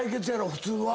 普通は。